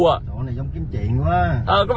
đồ này giống kiếm chuyện quá